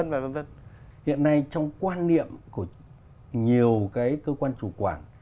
hiện nay trong quan niệm của nhiều cơ quan chủ quản